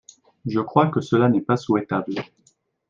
Je crois que cela n’est pas souhaitable.